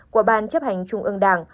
của ban chấp hành trung ương đảng